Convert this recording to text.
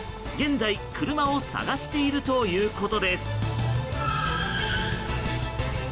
現在、車を捜しているということです。